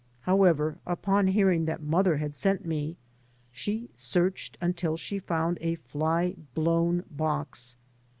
However, upon hearing that mother had sent me she searched until she found a fly blown box.